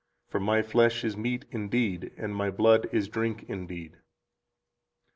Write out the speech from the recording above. For My flesh is meat indeed, and My blood is drink indeed.